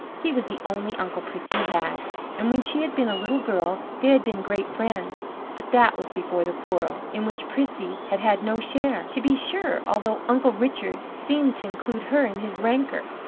He was the only uncle Prissy had, and when she had been a little girl they had been great friends; but that was before the quarrel, in which Prissy had had no share, to be sure, although Uncle Richard seemed to include her in his rancour.